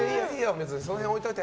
別にその辺置いておいて！